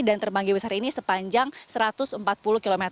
dan terbanggi besar ini sepanjang satu ratus empat puluh km